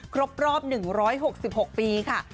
กรบ๑๖๖ปีค่ะ